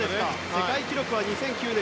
世界記録は２００９年